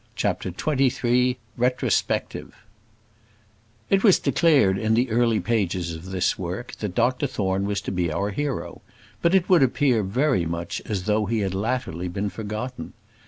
CHAPTER XXIII Retrospective It was declared in the early pages of this work that Dr Thorne was to be our hero; but it would appear very much as though he had latterly been forgotten.